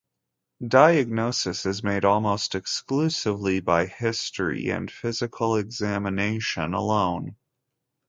Diagnosis is made almost exclusively by history and physical examination alone.